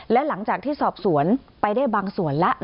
และหลังจากที่สอบสวนไปได้บางส่วนแล้ว